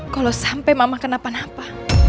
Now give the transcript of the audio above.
kalau sampai mama kenapa napa